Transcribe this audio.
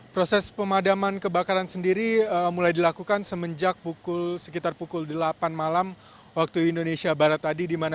proses pemadaman kebakaran sendiri mulai dilakukan semenjak sekitar pukul delapan malam waktu indonesia barat tadi